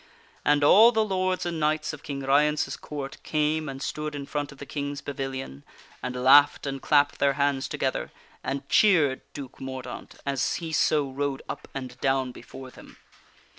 And all the lords and knights of King Ryence's Court came and stood in front of the King's pavilion and laughed and clapped their hands together, and cheered Duke Mordaunt, as he so rode up and down before them.